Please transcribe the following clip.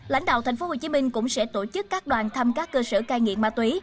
lãnh đạo tp hcm cũng sẽ tổ chức các đoàn thăm các cơ sở cai nghiện ma túy